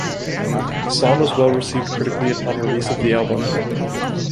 The song was well received critically upon release of the album.